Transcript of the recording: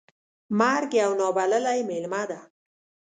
مرګ یو نا بللی میلمه ده .